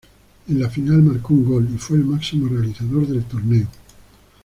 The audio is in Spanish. En la final marcó un gol y fue el máximo realizador del torneo.